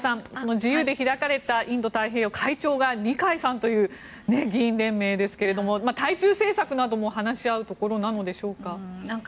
自由で開かれたインド太平洋会長が二階さんという議員連盟ですが対中政策なども話し合うところなのでしょうか。